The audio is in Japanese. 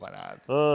うん。